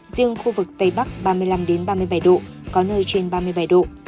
riêng khu vực tây bắc ba mươi năm ba mươi bảy độ có nơi trên ba mươi bảy độ